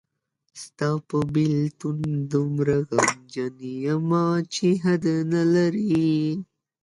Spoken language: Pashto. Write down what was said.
ستاپه بیلتون دومره غمجن یمه چی حد نلری.